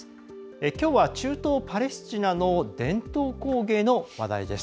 きょうは中東パレスチナの伝統工芸の話題です。